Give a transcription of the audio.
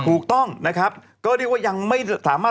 ถูกต้องนะครับก็ได้ว่ายังสามารถ